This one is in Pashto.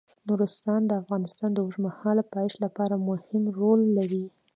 نورستان د افغانستان د اوږدمهاله پایښت لپاره مهم رول لري.